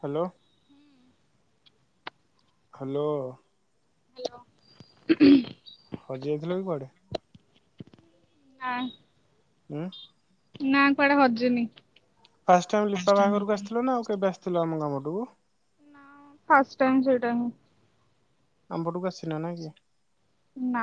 Hello. Hello. Hello. ହଜି ଯାଇଥିଲ କି କୁଆଡେ? ନା। ଉଁୁ ନା କୁଆଡେ ହଜିନି। ଫାଷ୍ଟ ଟାଇମ୍ ଲିପା ବାହାଘରକୁ ଆସିଥିଲ ନା ଆଉ କେବେ ଆସିଥିଲ ଆମ ଗାଁ ପଟକୁ। ନା ଫାଷ୍ଟ ଟାଇମ୍ ସେଇଟାହିଁ। ଆମ ପଟକୁ ଆସିନ ନାଇଁ କି? ନା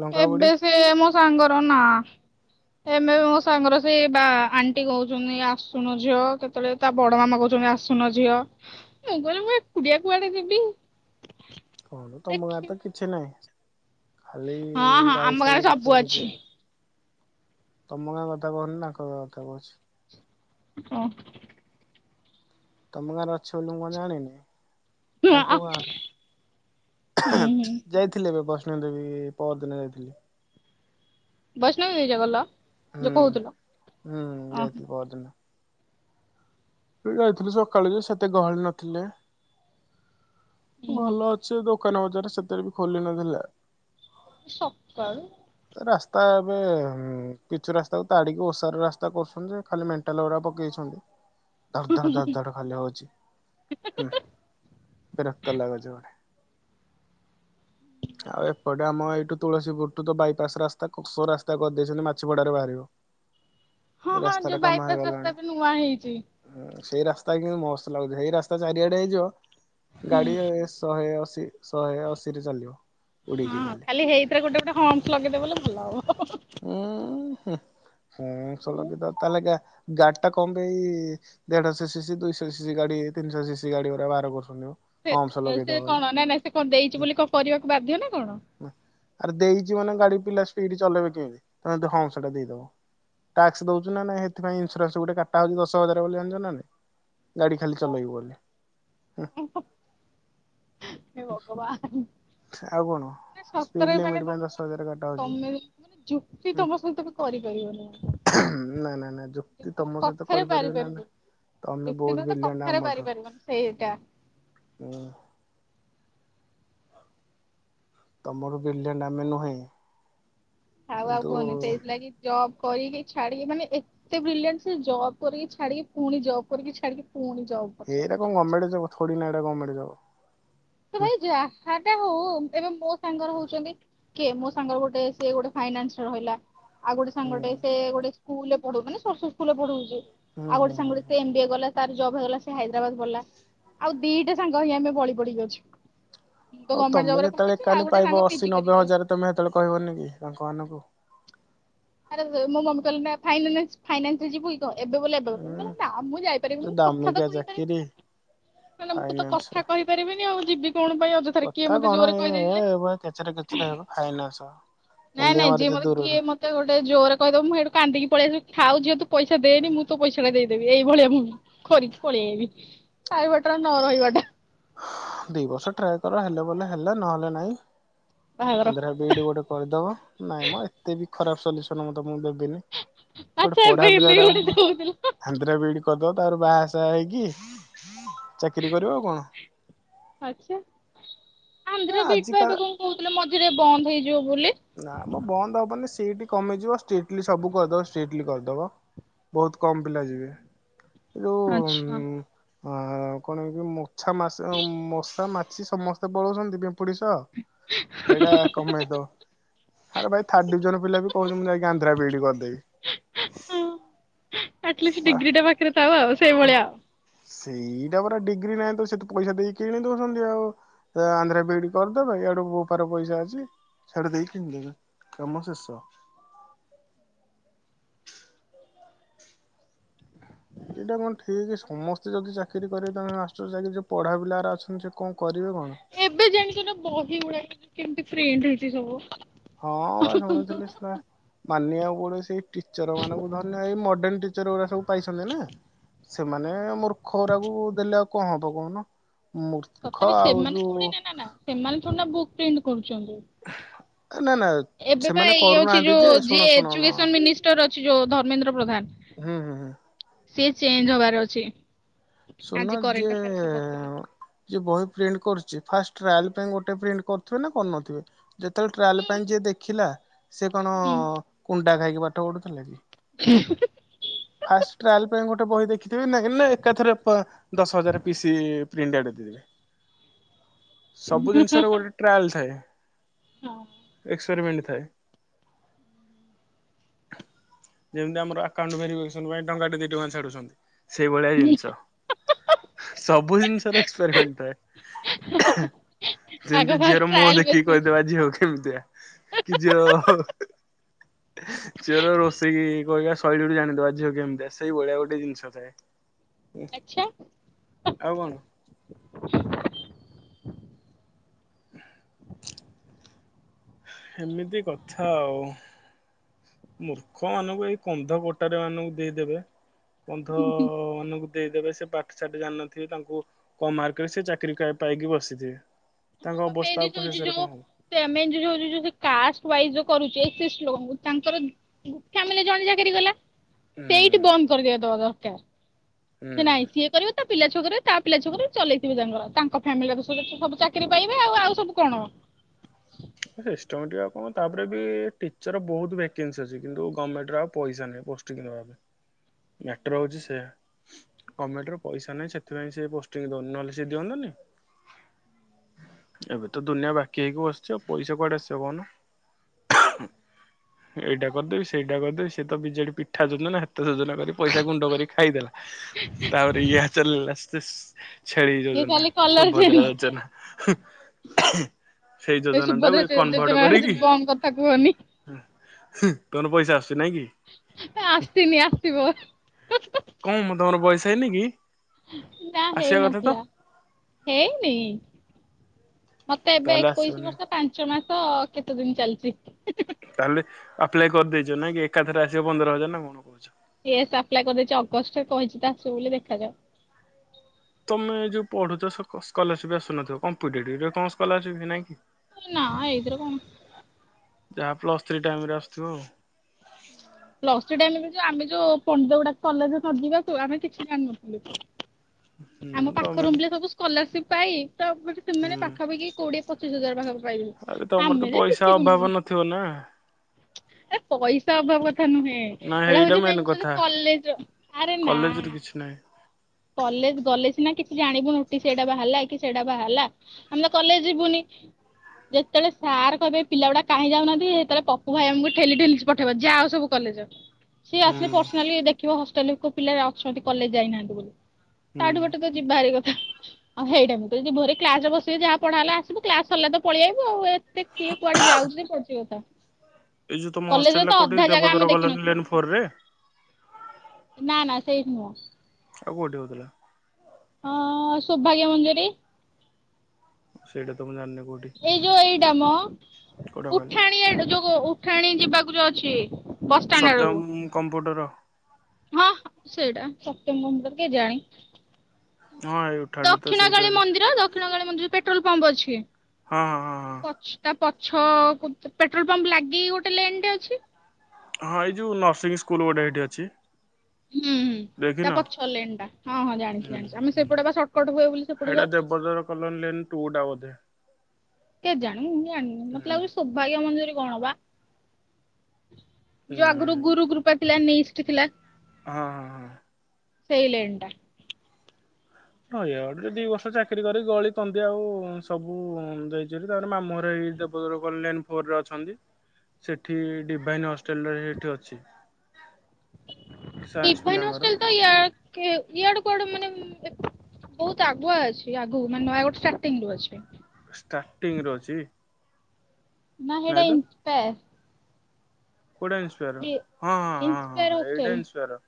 ଲଙ୍କା ବୁଡି ଏବେ ସେ ମୋ ସାଙ୍ଗର ନା [inaudible] ଏବେ ବି ମୋ ସାଙ୍ଗର ସେ ବା ଆଣ୍ଟି କହୁଛନ୍ତି ଆସୁନ ଝିଅ କେତେବେଳେ ତା ବଡ ମାମା କହୁଛନ୍ତି ଆସୁ ସୁନ ଝିଅ ମୁଁ କହିଲି ମୁଁ ଏକୁଟିଆ କୁଆଡେ ଯିବି? କଣ ତମ ଗାଁରେ ତ ଦେଖିବା କିଛି ନାହିଁ? ଖାଲି ହଁ ହଁ ଗାଈ ଆମ ଗାଁରେ ଛେଳି ସବୁ ଦେଖିବାକୁ ଅଛି। ଯିବି। ତମ ଗାଁ କଥା କହୁନି ତାଙ୍କ ଗାଁ କଥା କହୁଛି। ଓ। ତମ ଗାଁ ରେ ଅଛ ବୋଲି ମୁଁ କଣ ଜାଣିନି? ତାଙ୍କ ଗାଁରେ ହୁଁ ଯାଇଥିଲି ଏବେ ବସ୍ କୃଷ୍ଣ ଦେବୀ ପହର ଦିନ ଯାଇଥିଲି। ବୈଷ୍ଣବୀ ଦେବୀ କଲେଜରେ କଲ୍? ହୁଁ ହୁଁ ଯାଇଥିଲି ପହର ଦିନ। ତ ଯାଇଥିଲୁ ସକାଳୁ ଯେ ସେତେ ଗହଳି ନଥିଲେ। ଭଲ ଅଛି ଦୋକାନ ବଜାର ସେତଳେ ବି ଖୋଲି ନଥିଲେ। ସକାଳୁ ରାସ୍ତା ଏବେ ପିଚୁ ରାସ୍ତାକୁ ତାଡ଼ିକି ଓଷାର ରାସ୍ତା କରୁଛନ୍ତି ଯେ ଖାଲି ମେଣ୍ଟାଲଗୁଡ଼ା ପକେଇଛନ୍ତି। ଧର ଧର ଧର ଧର ଖାଲି ହଉଛି ହୁଁ। ଜଡେ। ଆଉ ଏପଟେ ଆମ ଏଇଠୁ ତୁଳସୀପୁରୁ ତ ବାଇପାସ ରାସ୍ତା ସ ରାସ୍ତା କରିଦେଇଛନ୍ତି ମାଛିପଡାରେ ବାହାରିବ। ହଁ ହଁ ରାସ୍ତା ଟା ଯୋଉ କାମ ବାଇପାସ ରାସ୍ତା ହେଇଗଲାଣି। ଏବେ ନୂଆ ହେଇଛି। ହୁଁ। ସେଇ ରାସ୍ତା କିନ୍ତୁ ମସ୍ତ ଲାଗୁଛି ସେଇ ରାସ୍ତା ଚାରିଆଡେ ହେଇଯିବ ହୁଁ ଗାଡି ଶହେ ଅଶି ଶହେ ଅଶି ରେ ଚାଲିବ। ହଁ ଖାଲି ହେଇଥିରେ ଗୋଟେ ଗୋଟେ ହମସ ଲଗେଇଦେ ବ ବୋଲିଲେ ଭଲ ହବ। ହୁଁ। ହୁଁ ସଲ କି ତ ତାହେଲେ ଗାଡି ଟା କମ୍ପାଇ ଏଇ ଦେଢଶହ ସିସିି ଦୁଇଶହ ସିସିି ଗାଡି ତିନିଶହ ସିସିି ଗାଡିରେ ବାହାର କରୁ ସେ ସେ କଣ ନାଇଁ ନାଇଁ ସେ କଣ ଦେଇଛି ବୋଲି କଣ କରିବାକୁ ବାଧ୍ୟ ନା କଣ? ଆରେ ଦେଇଛି ମାନେ ଗାଡି ପିଲା ସ୍ପିଡ ଚଲେଇବେ କେମିତି ତମେ ହଂସଟା ଦେଇଦବ? ଟାକ୍ସ ଦଉଚୁ ନା ନାଇଁ ସେଥିପାଇଁ ଇସୁରାନ୍ସ ଗୋଟେ କାଟା ହଉଛି ଦଶ ହଜାର ବୋଲି ଜାଣିଛ ନାଁ ନାଇଁ? ଗାଡ଼ି ଖାଲି ଚଲେଇବୁ ବୋଲି ହୁଁ। ହେ ଭଗବାନ ମାନେ ସ୍ପିଡ ସତରେ ମାନେ ଲିମିଟ ତମ ପାଇଁ ଦଶ ହଜାର କଟା ମାନେ ହଉଛି। ତମେ ମାନେ ଯୁକ୍ତି ତମ ସହିତ ବି କରିପାରିବନି। ନାଇଁ ନାଇଁ ନାଇଁ ଯୁକ୍ତି ମାନେ ତମ ସହିତ କଥାରେ କରିପାରିବିନା ପାରିପାରିବନି। ନାଇଁ। ତମେ ଯୁକ୍ତି ନୁହଁ ବହୁତ ତ ବ୍ରିଲିଆଣ୍ଟ୍ କଥାରେ ଆମଠୁ ପାରିପାରିବନି ସେଇଟା ହୁଁ। ତମରୁ ବିଲିଆଣ୍ଡ୍ ଆମେ ନୁହେଁ। ଥାଉ ଆଉ କୁହନି କିନ୍ତୁ ସେଇଥିଲାଗି ଜବ୍ କରିକି ଛାଡିକି ମାନେ ଏତେ ବ୍ରିଲିଆଣ୍ଟ୍ ଜବ୍ କରିକି ଛାଡ଼ିକି ପୁଣି ଜବ୍ କରିକି ଛାଡିକି। ପୁଣି ଜବ୍ ଏଟା କଣ କରୁଛନ୍ତି। ଗମେଣ୍ଟ୍ ଜବ୍ ଥୋଡିନା ଏଇଟା ଗମେଣ୍ଟ୍ ଜବ୍। ଆରେ ଭାଇ ଯାହା ଯାହାଟା ହଉ ଏବେ ମୋ ସାଙ୍ଗ‌ ରହୁଛନ୍ତି କିଏ ମୋ ସାଙ୍ଗର ଗୋଟେ ସେ ଗୋଟେ ଫାଇନାନ୍ସରେ ରହିଲା। ଆଉ ଗୋଟେ ସାଙ୍ଗଟେ ସେ ଗୋଟେ ସ୍କୁଲ୍ ରେ ପଢଉଛି ମାନେ ସରସ୍ଵତୀ ସ୍କୁଲ୍ ରେ ପଢଉଛି। ହୁଁ ଆଉ ହୁଁ ଗୋଟେ ହୁଁ ସାଙ୍ଗ ଟେ ହୁଁ। ସେ ଏମ୍ ବି ଏ ଗଲା ତାର ଜବ୍ ହେଇଗଲା ସେ ହାଇଦ୍ରାବାଦ ପଳେଇଲା ଆଉ ଦିଇଟା ସାଙ୍ଗ ହିଁ ଆମେ ବଳି ପଡିିକି ଅଛୁ। ମୁଁ ତ ଆଉ ଗଭର୍ଣ୍ଣମେଣ୍ଟ ତମେ ଜବରେ ଯେତେବେଳେ ପଶିଛି ଆଉ ଏକାନେ ଗୋଟେ ସାଙ୍ଗ ପାଇବ ପିଜି ଅଶୀ ନବେ କରିକି ଅଛି ହଜାର ତମେ ସେତେବେଳେ କହିବନିକି ତାଙ୍କ ମାନଙ୍କୁ। [inaudible] ଆରେ ମୋ ମମି କହିଲେ ନା ଫାଇନ୍ ନାସ୍ ଫାଇନ୍ସରେ ଯିବୁ କି କହ। ଏବେ ବୋଲି ଏବେ ହୁଁ ନା ମୁଁ ଯାଇପାରିବିନି ଯୋଉ ମୁଁ କଥା ତ ଦାମିକିଆ ଚାକିରି କହିପାରିବିନି। ମାନେ ମୁଁ ତତେ ଫାଇନାନ୍ସ। କଥା କହିପାରିବିନି ଆଉ। ଯିବି କଣ ପାଇଁ ଅଯଥାରେ କିଏ କଥା ମତେ କଣ ଜୋରେ ଏ କହିଦେଇଥିଲେ ଏଭଳିଆ କେଚେରେ କେଚେରେ ହେବ ଫାଇନାନ୍ସ। ନାଇଁ ମୁଣ୍ଡିଆ ନାଇଁ ଯିଏ ମାରିଚେ ମତେ ଦୂରରୁ କିଏ ମତେ ଗୋଟେ ଜୋରେ କହିିଦବ ମୁଁ ହେଇଠୁ କାନ୍ଦିକି ପଳେଇଆସିବି ଥାଉ ଝିଅ ତୁ ପଇସା ଦେଇନି ମୁଁ ତୋ ପଇସାଟା ଦେଇ ଦେବି। ଏଇଭଳିଆ ମୁଁ କରିକି ପଳେଆଇବି। ତା ଠୁ ବେଟର ନ ରହିବାଟା। ଦି ବର୍ଷ ଟ୍ରାଏ କର ହେଲେ ବୋଲେ ହେଲେ ନହେଲେ ନାଇଁ। ବାହାଘର ଆନ୍ଧ୍ରା ବିଇଡି଼ ଗୋଟେ କରିଦବ। ନାଇଁ ମ ଏତେ ବି ଖରାପ ସଲ୍ୟୁସନ ମୁ ତମକୁ ଦେବି। ଦେବି। ଗୋଟେ ଆଚ୍ଛା ଏବେ ଏମିତି ପଢାପିଲାଟାକୁ ମୁଁ ଗୋଟେ ଦଉଥିଲ କଣ ଆନ୍ଧ୍ରା ବିଇଡି଼ କରିଦବ। ତାପରେ ବାହାସାହା ହେଇକି ଚାକିରି କରିବ ଆଉ କଣ। ଆଛା। ଏ ଆନ୍ଧ୍ରା ବିଇଡ ପା ଆଜିକା ଏବେ କଣ କହୁଥିଲେ ମଝିରେ ବନ୍ଦ ହେଇଯିବ ବୋଲି। ନା ମ ବନ୍ଦ ହବନି ସିଇଟ୍ କମିଯିବ ଷ୍ଟିଟଲି ସବୁ କରିଦବ ଷ୍ଟିଟଲି କରିଦବ। ବହୁତ୍ କମ ପିଲା ଯିବେ। ଆଚ୍ଛା। ଆ କଣ କି ମଛା ମାଶି ମଶା ମାଛି ସମସ୍ତେ ପଳଉଛନ୍ତି। ପିମ୍ପୁ ପିମ୍ପୁଡ଼ି ସହ ସେଇଟା କମେଇଦବ। ଆରେ ଭାଇ ଥାର୍ଡ ଡିଭିଜନ୍ ପିଲା ବି କହୁଛନ୍ତି ମୁଁ ଯାଇକି ଆନ୍ଧ୍ରା ବିିଇଡି କରିଦେବି। ଆଟ୍ ଲିଷ୍ଟ୍ ବା ଡିଗ୍ରୀଟା ପାଖରେ ଥାଉ ଆଉ ସେଇଭଳିଆ। ସେଇଟା ପରା ଡିଗ୍ରୀ ନାହିଁ ତ ସେଠି ପଇସା ଦେଇକି କିଣି ଦଉଛନ୍ତି ଆଉ। ଆନ୍ଧ୍ର ବିିଇଡି କରିଦେବା। ଇଆଡୁ ବୋପାର ପଇସା ଅଛି ସ୍ୟାଡେ ଦେଇକି କିଣିିଦେବେ କାମ ଶେଷ। [inaudible] ଏଇଟା କଣ ଠିକ୍ ସମସ୍ତେ ଯଦି ଚାକିରି କରିବେ ତାହାଲେ ମାଷ୍ଟର ଚାକିରି ଯଉ ପଢା ପିଲା ଅଛନ୍ତି ସେ କଣ କରିବେ କଣ ଏବେ ଜାଣିଚନା ବହି ଗୁଡା କେମତି ପ୍ରିଣ୍ଟ୍ ହେଇଛି ସବୁ। ହଁ ବା ଶୁଣୁଥିଲି ସେ ପା ମାନିବାକୁ ପୁଣି ସେଇ ଟିଚର ମାନଙ୍କୁ ଧନ୍ୟ। ହେଇ ମଡେଲ୍ ଟିଚର ଗୁରା ସବୁ ପାଇଛନ୍ତି ନା ସେମାନେ ମୂର୍ ଖରାକୁ ଦେଲେ ଆଉ କଣ ହବ କହୁନ। ମୂର୍ଖ ତଥାପି ଆଉ ସେମାନେ ଯୋଉ ଥୋଡିନା ନା ନା ସେମାନେ ଥୋଡିନା ବୁକ୍ ପ୍ରିଣ୍ଟ୍ କରୁଚନ୍ତି। ନା ନା ଏବେ ପା ସେମାନେ ଇଏ ଅଛି କରୁନାହାନ୍ତି ଯେ ଯୋଉ ଶୁଣ ଯିଏ ଶୁଣ ହୁଁ ଏଜୁକେସନ ମିନିଷ୍ଟର ଅଛି ଯୋଉ ଧର୍ମେନ୍ଦ୍ର ପ୍ରଧାନ। ହୁଁ ହୁଁ ହୁଁ। ସିଏ ଚେଞ୍ଜ୍ ହବାର ଅଛି। ଶୁଣୁନ ଆଜି ଯିଏ ରେ ପଢୁଥିଲି। ଯିଏ ବହି ପ୍ରିଣ୍ଟ୍ କରୁଛି ଫାଷ୍ଟ୍ ଟ୍ରାଏଲ ପାଇଁ ଗୋଟେ ପ୍ରିଣ୍ଟ କରୁଥିବେ ନା କରୁନଥିବେ। ଯେତେବେଳେ ଟ୍ରାଏଲ ପାଇଁ ଯିଏ ଦେଖିଲା ସିଏ କଣ କୁଣ୍ଡା ଖାଇକି ପାଠ ପଢୁଥିଲା। [inaudible] ଫାଷ୍ଟ ଟ୍ରାଏଲ ପାଇଁ ଗୋଟେ ବହି ଦେଖିଥିବି ନାଇ ନାଇକି ଏକାଥରେ ଦଶ ହଜାର ପି ପ୍ରିଣ୍ଟ ସବୁ ଜିନିଷର ଗୋଟେ ଟ୍ରାଏଲ ଥାଏ। ଏକ୍ସପେରିମେଣ୍ଟ ଥାଏ। ଯେମିତି ଆମର ଆକାଉଣ୍ଟ ଭେରିଫିକେସନ୍। ଟଙ୍କା ଟେ ଦି ଟଙ୍କା ଛାଡୁଛନ୍ତି। ସେଇଭଳିଆ ଜିନିଷ। ସବୁ ଜିନିଷ ର ଏକ୍ସପେରିମେଣ୍ଟ ଥାଏ। [inaudible] ଆଗ ଯେମିତି ଝିଅର ମୁହଁ ଦେଖିକି କହିଦେବା ଝିଅ କେମିତିଆ। କି ଝିଅ ଝିଅ ର ରୋଷେଇ କହିବା ଶୈଳୀ ରୁ ଜାଣିଦବା ଝିଅ କେମିତିଆ। ସେଇ ଭଳିଆ ଗୋଟେ ଜିନିଷ ଥାଏ। ଆଚ୍ଛା ଆଉ କଣ? [inaudible] ଏମିତି କଥା ଆଉ। ମୂର୍ଖ ମାନଙ୍କୁ ଏଇ କନ୍ଧ କୋଟା ରେ ମାନଙ୍କୁ ଦେଇଦେବେ। କନ୍ଧ ମାନଙ୍କୁ ଦେଇଦେବେ ସେ ପାଠ ସାଠ ଜାଣିିନଥିବେ ତାଙ୍କୁ କମ ମାର୍କ ସେ ଚାକିରି ପାଇକି ବସିଥିବେ। ତାଙ୍କ ଅବସ୍ଥା ମେନ୍ ଜିନିଷ ଆଉ ହଉଚି ଶେଷରେ ଯୋଉ କଣ ହବ। ସେ। [unintelligible] କାଷ୍ଟ ୱାଇଜ୍ ଯୋଉ କରୁଚି, [unintelligible] ତାଙ୍କର ଫାମିଲ୍ ଜଣେ ଚାକିରି କଲା। ହୁଁ ସେଇଠି ବନ୍ଦ କରିଦିବା ଦବା ଦରକାର। ହୁଁ। ସେ ନାଇଁ। ସିଏ କରିବ ତା ପିଲା ଛୁଆକରେ, ତା ପିଲା ଛୁଆକରେ ଚଲେଇଥିବେ ତାଙ୍କର। ତାଙ୍କ ଫ୍ୟାମିଲ ର ସବୁ ଚାକିରି ପାଇବେ। ଆଉ ଆଉ ସବୁ କଣ? ଇଷ୍ଟମଟି ଆଉ କଣ? ତା'ପରେ ବି ଟିଚର ବହୁତ ଭେକେନ୍ସି ଅଛି। କିନ୍ତୁ ଗଭର୍ମେଟ ର ଆଉ ପଇସା ନାହିଁ, ପୋଷ୍ଟିଙ୍ଗ ଦବା ପାଇଁ। ମ୍ୟାଟର ହୁଉଛି ସେଆ। ଗଭମେଟ୍ ର ପଇସା ନାହିଁ। ସେଥିପାଇଁ ସେ ପୋଷ୍ଟିଂ ଦଉନି। ନହେଲେ ସଏ ଦିଅନ୍ତାନି। ଏବେ ତ ଦୁନିଆ ବାକି ହେଇକି ବସି ଛି, ଆଉ, ପଇସା କୁଆଡେ ଆସିବ କହୁନୁ? ଏଇଟା କରିଦେବି, ସେଇଟା କରିଦେବି, ସେ ତ ବିଜେଡି ପିଠା ଯୋଜନା, ହାତ ଯୋଜନା, କରି ପଇସା ଗୁଣ୍ଡ କରି ଖାଇଦେଲା। ତା'ପରେ ଇହା ଚାଲ୍ ଲା ସେସ୍ ଛେଳି ଇଏ ଯୋଜନା, ଖାଲି ସୁଭଦ୍ରା ଯୋଜନା ସେଇ ଏଇ ଯୋଜନା ଟାକୁ ସୁଭଦ୍ରା ଇଏ ଯୋ- କନଭର୍ଟ ଯୋଜନା କରିକି, ବନ୍ଦ କଥା କୁହନି ହିଁ କନ ପଇସା ଆସ ଆସିନି, ଆସିବ। କଣ ମ ତମର ବୟସ ହେଇନି କି? ନା, ଆସିବା ହେଇ କଥା ତ ନଥିଲା। ହେଇନି। ମତେ ଏବେ ତାହେଲେ ଏକୋଇଶି ଆସିବନି। ବର୍ଷ ପାଞ୍ଚ ମାସ କେତେ ଦିନ ଚାଲିଛି। ହିଁ ହିଁ। ତାହେଲେ, ଆପ୍ଲାଏ କରିଦେଇଛ ନାଇଁ କି! ଏକାଥରେ ଆସିବ, ପନ୍ଦର ହଜାର ନା କଣ କହୁଛ? ଏ ସ୍ ଆପ୍ଲାଏ କରିଦେଇଛି ଅଗଷ୍ଟରେ କହିଛି ତ ଆସିବ ବୋଲି ଦେଖାଯାଉ! ତମେ ଯୋଉ ପଢୁଛ, ସ-ସ୍କଲରସିପ୍ ଆସୁନଥିବ? କମ୍ପିଟେଟିଭ୍ ରେ କଣ ସ୍କଲରସିପ୍ ନାଇଁ କି? ନାଁ, ଏଇଥିରେ କଣ? ଯାହା, ପ୍ଲସ୍ ଥ୍ରୀ ଟାଇମ୍ ରେ ଆସୁଥିବ ଆଉ। ପ୍ଲସ ଟ୍ରି ଟାଇମ୍ ରେ ଯେ, ଆମେ ଯୋଉ ପଣ୍ଡିତ ଗୁଡାକ କଲେଜେ ନଯିବାକୁ ଆମେ କିଛି ଜାଣିନଥିଲୁ। ହୁଁ ଆମ ତମେ ପାଖରୁମ୍ଲେ ସବୁ ସ୍କଲାରସିପ୍ ପାଇ ତା ସେମାନେ ହୁଁ ପାଖାପାଖି, କୋଉଡିଏ ପ ପଚିଶ ହଜାର ପାଖାପୁଖି ପାଇଲୁ। ଆରେ ତମର ତ ଆମେଯେ ପଇସା କିଛି କୁ ଅଭାବ ନୁହଁ। ନଥିବ ନା। ଏ ପଇସା ଅଭାବ କ କଥା ନୁହେଁ, ନା ଏଟା ହେଇଟା ହଉଛି ମେନ ମେନ୍ କରି କଥା କଲେଜର। ଆରେ ନା କଲେଜରେ କିଛି ନାହିଁ କଲେଜ ଗଲେଜ ନା କିଛି ଜାଣିବୁ, ନୋଟିସ ଏଟା ବାହାରଲା କି ସେଟା ବାହାରଲା ଆମେ ତ କଲେଜ ଯିବୁନି। ଯେତେଳେ ସାର୍ କହିବେ ପିଲା ଗୁଡା କାହିଁ ଯାଉନାହାଁନ୍ତି? ହେତେଳେ ପପୁ ଭାଇ ଆମକୁ ଠେଲି ଠେଲିି ପଠେଇବ। ଯାଅ ସବୁ କଲେଜ। ସିଏ ଆସିଲେ ହୁଁ ପର୍ସନାଲି ଦେଖିବ ହଷ୍ଟେଲ କଉ ପିଲା ଅଛନ୍ତି, କଲେଜ ଯାଇନାହାଁନ୍ତି ବୋଲି। ତାଠୁ ଗୋଟେ ତ ଯିବିଭାରିଗ ହ ଆଉ ହେଇଟା, ମୁଁ କହିଲି ଯି ଭରେ କ୍ଲାସ୍ ରେ ବସିବ। ଯାହା ପଢା ହେଲା ଆସିବୁ କ୍ଲାସ୍ ସରଲା ତ ପଳେଇ ଆଇବୁ ଆଉ। ଏତେ କିଏ କୁଆଡେ ଯାଉ [unintelligible] ପଡ଼ ଯିବତ? ଏଇ ଯୋଉ ତମ ହଷ୍ଟେଲ ଟା କୋଉଠି? ଦେବଦର କଲେଜ ଦେଖିନଥିବୁ ଲେନ୍ ଫୋର୍ ରେ। ନା, ନା, ସେଇଠି ନୁହଁ। ଆଉ କୋଉଠି ହଉଥିଲା? ଅ-ଅ ସୌଭାଗ୍ୟ ମଞ୍ଜରି ସେଇଟା ତ ମୁଁ ଜାଣନି! ଏଇ ଯୋଉ ଏଇଟା ମ! କୋଉଟା କହିଲ? ଉଠାଣିଆ ଯୋଗଓ ଉଠାଣି ଯିବାକୁ ଯଉ ଅଛି ବସଷ୍ଟାଣ୍ଡ ଆଡକୁ ସତ୍ୟମ-ଉ କମ୍ପୁଟର। ହଁ ସେଇଟା ସତ୍ୟମ୍ କମ୍ପୁଟର କେଜାଣି? ହଁ ଏଇ ଉଠାଣି ତ ଦକ୍ଷିଣ ସେଇଠି କାଳୀ ଅଛି। ମନ୍ଦିର ଦକ୍ଷିଣ କାଳୀ ମନ୍ଦିର, ଯଉ ପେଟ୍ରୋଲ ପମ୍ପ ଅଛି। ହଁ ହଁ ହଁ ହଁ। ଛଅ କୁତ ପେଟ୍ରୋଲ ପମ୍ପ ଲାଗିକି, ଗୋଟେ ଲେନ୍ ଟେ ଅଛି। ହଁ, ଏଇ ଯୋଉ ନର୍ସିଂ ସ୍କୁଲ ଗୋଟେ ହେଇଠି ଅଛି। ହୁଁ, ହୁଁ, ତା ଦେଖିନ? ପଛ ଲେନ୍ ଟା ହଁ ହଁ ଜାଣିଛି ହୁଁ ଜାଣିଛି। ଆମେ ହୁଁ ସେପଟେ ବା ସର୍ଟକଟ ହୁଏ, ବୋଲି ସେପଟୁ ହେଇଟା ଯାଉ। [unintelligible] କଲୋନୀ ଲେନ ଟୁ ଟା ବଧେ! କେ ଜାଣି! ମୁଁ ଜାଣିନି ମତେ ଲାଗୁଛି, ହୁଁ ସୌଭାଗ୍ୟ ମଞ୍ଜରୀ କଣ ବା? ଯ ଆଗରୁ ନାଇଁ ଗୁରୁକୃପା ଥିଲା ନିଷ୍ଟ ଥିଲା ହଁ ହଁ ହ ସେଇ ଲେଣ୍ଡ ଟା ହଁ ଇଆଡେ ଦି ବର୍ଷ ଚାକିରି କରି ଗଳିକନ୍ଦି ଆଉ ସବୁ ଦେଇଚନ୍ତି ତାପରେ ମାମୁଁ ଘର ଏଇ [unintelligible] କଲ୍ୟାଣପୁର ରେ ଅଛନ୍ତି ସେଠି ଡିଭାଇନ ହଷ୍ଟେଲରେ ସେଇଠି ଅଛି ସାଇନ୍ସ ଡିଭାଇନ ପିଲାଙ୍କର। ହୋଷ୍ଟେଲ ତ ଇଆଡେ କେ ଇଆଡେ କୁଆଡ଼େ ମାନେ ବହୁତ ଆଗୁଆ ଅଛି ଆଗକୁ ମାନେ ନୟାଗଡ ଷ୍ଟାର୍ଟିଂ ରୁ ଅଛି ଷ୍ଟାର୍ଟିଂ ରୁ ଅଛି ନା ହେଇଟା ନାଇଁ ଇନ୍ସପାୟାର କଉଟା ଇନ୍ସପାୟାର ଡି ହଁ ହଁ ହଁ ହଁ ଇନ୍ସପାୟାର ଏଇଟା ଇନ୍ସପାୟାର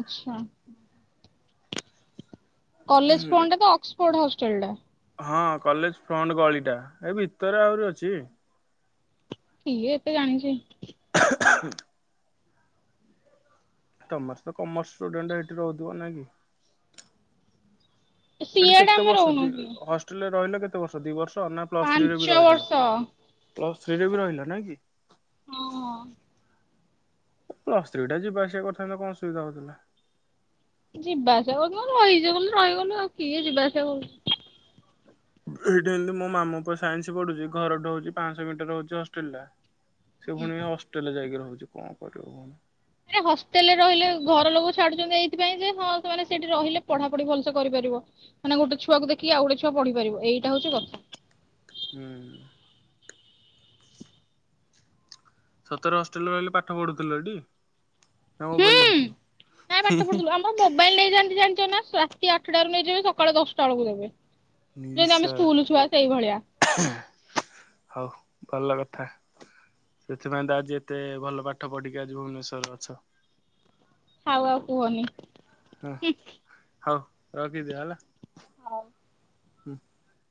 ଆଛା କଲେଜ ଫ୍ରଣ୍ଟରେ ତ ଅକ୍ସଫୋର୍ଡ ହଷ୍ଟେଲ ଟା ହଁ କଲେଜ ଫ୍ରଣ୍ଟ ଗଳିଟା ଏ ଭିତରେ ଆହୁରି ଅଛି କିଏ ଏତେ ଜାଣିଛି? ଖାଁ ତମର ତ କମର୍ସ ଷ୍ଟୁଡେଣ୍ଟ ଏଇଠି ରହୁଥିବ ନାଇଁ କି ଏଠି ସିଆଡେ କେତେ ଆମେ ବର୍ଷ ଦି ରହୁନଥିଲୁ ହଷ୍ଟେଲରେ ରହିଲେ କେତେ ବର୍ଷ ଦି ବର୍ଷ ନା ପ୍ଲସ୍ ଥ୍ରୀରେ ବି ପାଞ୍ଚ ରହିଥିଲା ବର୍ଷ। ପ୍ଲସ୍ ଥ୍ରୀରେ ବି ରହିଲା ନାଇଁ କି ହଁ ହଁ ପ୍ଲସ୍ ଥ୍ରୀ ଟା ଯିବା ଆସିବା କରିଥାନ୍ତ କଣ ଅସୁବିଧା ହଉଥିଲା ଯିବା ଆସିବା କ ରହିଯିବ ବୋଲି ରହିଗଲୁ ଆଉ କିଏ ଯିବା ଆସିବା କରୁଛି ଏଇଟା ଏମତି ମୋ ମାମୁଙ୍କ ସାଇନ୍ସ ପଢୁଛି ଘରଠୁ ହଉଛି ପାଞ୍ଚଶହ ମିଟର ହଉଛି ହଷ୍ଟେଲ ଟା ସେ ପୁଣି ହଷ୍ଟେଲ ରେ ଯାଇକି ରହୁଛି କଣ କରିବୁ ଆରେ ହଷ୍ଟେଲରେ ରହିଲେ ଘର ଲୋକ ଛାଡୁଛନ୍ତି ଏଇଥିପାଇଁ ଯେ ହଁ ସେମାନେେ ସେଇଠି ରହିଲେ ପଢାପଢି ଭଲସେ କରିପାରିବ ମାନେ ଗୋଟେ ଛୁଆକୁ ଦେଖିକି ଆଉ ଗୋଟେ ଛୁଆ ପଢି ପାରିବ ଏଇଟା ହଉଛି କଥା ହୁଁ ସତରେ ହଷ୍ଟେଲରେ ରହିଲେ ପାଠ ପଢୁଥିଲ ସେଠି ହୁଁ କାଇଁ ପାଠ ପଢୁଥିଲୁ ଆମ ମୋବାଇଲ ରେ ହେଇଚି ଜାଣିଚ ନା ରାତି ଆଠଟାରୁ ନେଇଯିବେ ସକାଳେ ଦଶଟା ବେଳକୁ ଦେବେ ଯେମିତି ଆମେ ନିଶାଳା ସ୍କୁଲ ଛୁଆ ସେଇ ଭଳିଆ ହଉ ଭଲ କଥା ସେଥିପାଇଁ ତ ଆଜି ଏତେ ଭଲ ପାଠ ପଢିକି ଆଜି ଭୁବନେଶ୍ୱରରେ ଅଛ ଥାଉ ଆଉ କୁହନି ହୁଁ ହଉ ରଖିଦିଅ ହେଲା ହଁ [unintelligible]